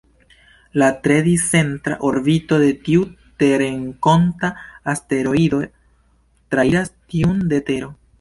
La tre discentra orbito de tiu terrenkonta asteroido trairas tiun de Tero.